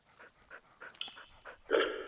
本页列举了镆的同位素。